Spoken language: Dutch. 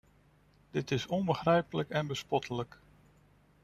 Dit is onbegrijpelijk en bespottelijk!